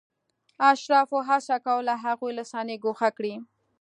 اشرافو هڅه کوله هغوی له صحنې ګوښه کړي.